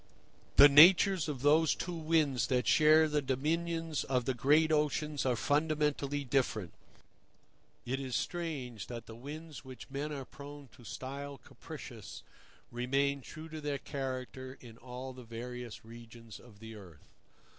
The natures of those two winds that share the dominions of the great oceans are fundamentally different. It is strange that the winds which men are prone to style capricious remain true to their character in all the various regions of the earth.